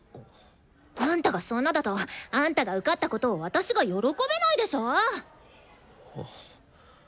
あんたがそんなだとあんたが受かったことを私が喜べないでしょ！